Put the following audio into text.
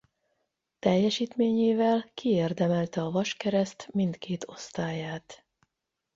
Teljesítményével kiérdemelte a Vaskereszt mindkét osztályát.